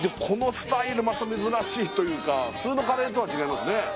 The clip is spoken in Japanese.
このスタイルまた珍しいというか普通のカレーとは違いますね